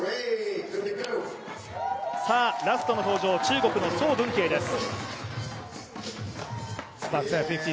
ラストの登場、中国の曾文ケイです。